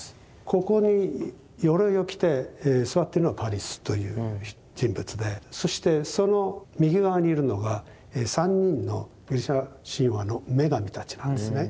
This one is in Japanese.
ここによろいを着て座ってるのはパリスという人物でそしてその右側にいるのが３人のギリシャ神話の女神たちなんですね。